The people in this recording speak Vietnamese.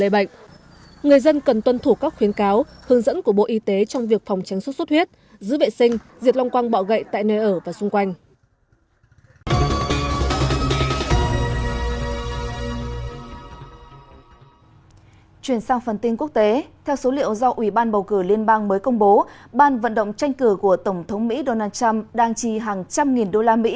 bàn vận động tranh cử của tổng thống mỹ donald trump đang chi hàng trăm nghìn đô la mỹ